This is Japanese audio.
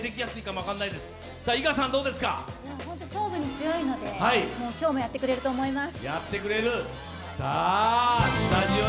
本当に勝負に強いので今日もやってくれると思います。